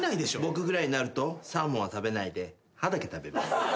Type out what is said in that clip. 僕ぐらいになるとサーモンは食べないで歯だけ食べます。